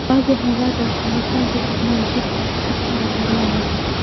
آب وهوا د افغانستان د تکنالوژۍ پرمختګ سره تړاو لري.